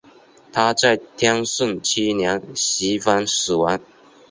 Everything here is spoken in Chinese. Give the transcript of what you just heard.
他在天顺七年袭封蜀王。